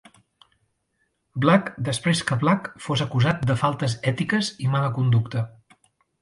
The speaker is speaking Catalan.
Black, després que Black fos acusat de faltes ètiques i mala conducta.